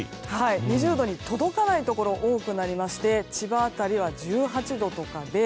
２０度に届かないところが多くなりまして千葉辺りは１８度とかで。